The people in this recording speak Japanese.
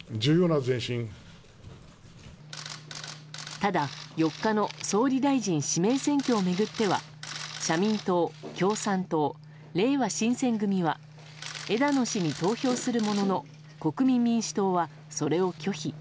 ただ、４日の総理大臣指名選挙を巡っては社民党、共産党、れいわ新選組は枝野氏に投票するものの国民民主党はそれを拒否。